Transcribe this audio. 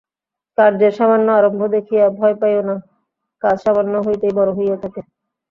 কার্যের সামান্য আরম্ভ দেখিয়া ভয় পাইও না, কাজ সামান্য হইতেই বড় হইয়া থাকে।